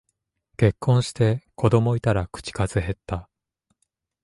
結婚して子供いたら口数へった